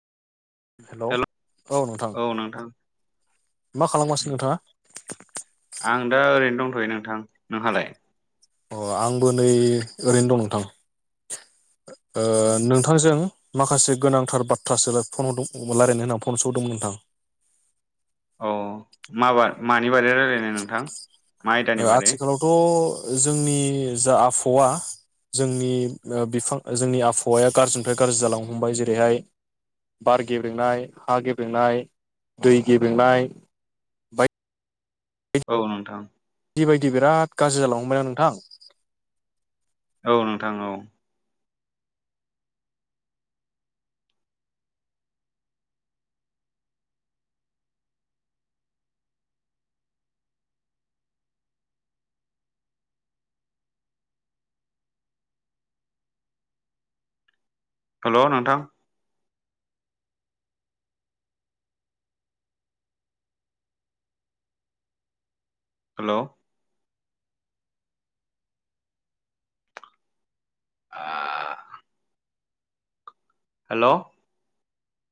Hello औ नोंथां hello नोंथां। मा खालामगासिनो ओम नोंथाङा आं दा ओरैनो दं। थ'यो नोंथां नोंहालाय? अ आंबो नै ओरैनो दं नोंथां। ओ-ओ नोंथांजों माखासे गोनांथार बाथ्रासो फन हरदों रायजलायनो होननानै फन सोदोंमोन नोंथां। औ माबा मानि बादै रायज्लायनो नोंथां? मा आयदानि ओ बादै आथिखालावथ' जोंनि जा आबहावा जोंनि ओ बिफां जोंनि आबहावाया गाज्रिनिफ्राय गाज्रि जालांनो हमबाय जेरैहाय बार गेब्रेंनाय हा गेब्रेंनाय दै गेब्रेंनाय बायदि औ नोंथां। जिबायदि बिराद गाज्रि जालांनो हमबायना नोंथां औ नोंथां औ। हेलौ नोंथां। हेलौ। आ हेल'।